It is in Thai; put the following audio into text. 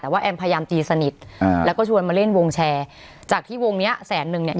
แต่ว่าแอมพยายามตีสนิทอ่าแล้วก็ชวนมาเล่นวงแชร์จากที่วงเนี้ยแสนนึงเนี่ย